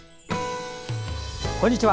こんにちは。